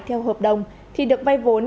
theo hợp đồng thì được vay vốn